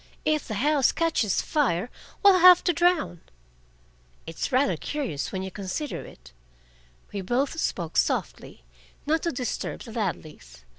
"If the house catches fire, we'll have to drown." "It's rather curious, when you consider it." We both spoke softly, not to disturb the Ladleys.